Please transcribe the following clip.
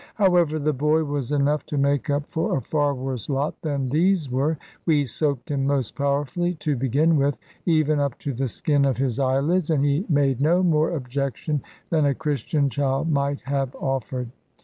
However, the boy was enough to make up for a far worse lot than these were. We soaped him most powerfully, to begin with, even up to the skin of his eyelids, and he made no more objection than a Christian child might have offered.